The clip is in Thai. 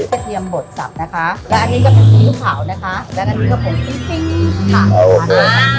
เกษียมบดสับนะคะและอันนี้ก็เป็นซีอิ๊วขาวนะคะและอันนี้ก็ผงทิ้งทิ้งค่ะอ่า